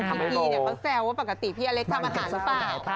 พี่กีเขาแซวว่าปกติพี่อเล็กทำอาหารหรือเปล่า